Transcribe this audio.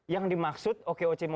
yang dimaksud oke oce minjemnya itu